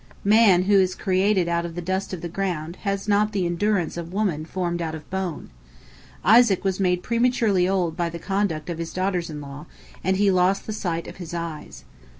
Man, who is created out of the dust of the ground, has not the endurance of woman formed out of bone. Isaac was made prematurely old by the conduct of his daughters in law, and he lost the sight of his eyes.